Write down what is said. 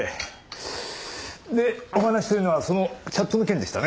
でお話というのはそのチャットの件でしたね？